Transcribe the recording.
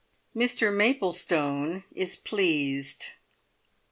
MR MAPLESTONE IS PLEASED.